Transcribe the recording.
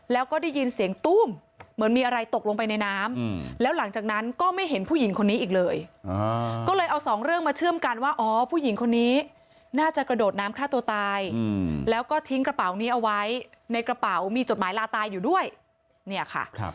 แล้วก็ได้ยินเสียงตู้มเหมือนมีอะไรตกลงไปในน้ำแล้วหลังจากนั้นก็ไม่เห็นผู้หญิงคนนี้อีกเลยก็เลยเอาสองเรื่องมาเชื่อมกันว่าอ๋อผู้หญิงคนนี้น่าจะกระโดดน้ำฆ่าตัวตายแล้วก็ทิ้งกระเป๋านี้เอาไว้ในกระเป๋ามีจดหมายลาตายอยู่ด้วยเนี่ยค่ะ